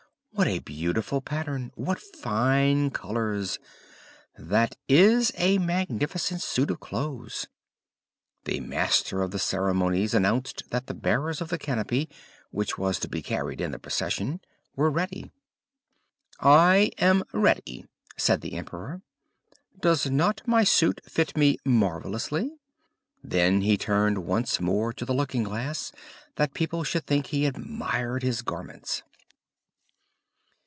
"What a beautiful pattern! What fine colours! That is a magnificent suit of clothes!" The master of the ceremonies announced that the bearers of the canopy, which was to be carried in the procession, were ready. "I am ready," said the emperor. "Does not my suit fit me marvellously?" Then he turned once more to the looking glass, that people should think he admired his garments.